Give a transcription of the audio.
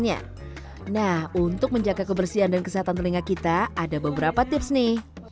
nah untuk menjaga kebersihan dan kesehatan telinga kita ada beberapa tips nih